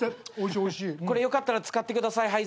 これよかったら使ってください。